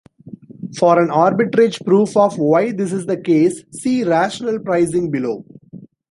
For an arbitrage proof of why this is the case, see Rational pricing below.